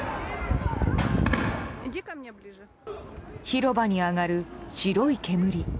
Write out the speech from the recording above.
広場に広がる白い煙。